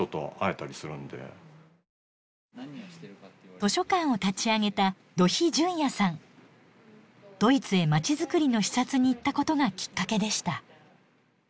図書館を立ち上げたドイツへまちづくりの視察に行ったことがきっかけでした。